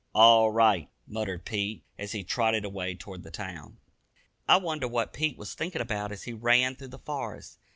"All right," muttered Pete, as he trotted away toward the town. I wonder what Pete was thinking about as he ran through the forest.